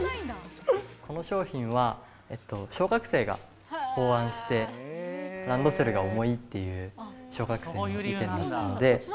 この商品は、小学生が考案して、ランドセルが重いっていう小学生の意見があったので。